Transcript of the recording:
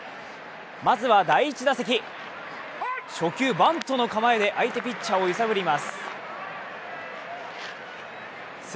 まずは第１打席、初球バントの構えで、相手ピッチャーを揺さぶります。